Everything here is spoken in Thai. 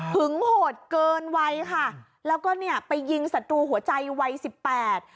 โหดเกินวัยค่ะแล้วก็เนี่ยไปยิงศัตรูหัวใจวัยสิบแปด